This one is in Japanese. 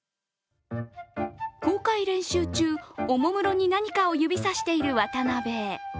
公開練習中、おもむろに何かを指さしている渡邊。